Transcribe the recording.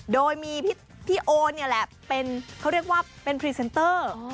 โดยมีพี่โอเนี่ยแหละเป็นเขาเรียกว่าเป็นพรีเซนเตอร์